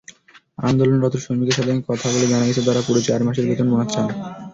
আন্দোলনরত শ্রমিকদের সঙ্গে কথা বলে জানা গেছে, তাঁরা পুরো চার মাসের বেতন-বোনাস চান।